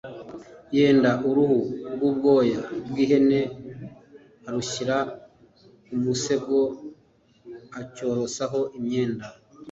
yenda uruhu rw’ubwoya bw’ihene arushyira ku musego, acyorosaho imyenda.